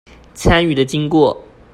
參與的經過